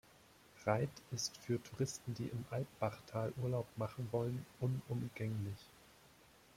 Reith ist für Touristen, die im Alpbachtal Urlaub machen wollen, unumgänglich.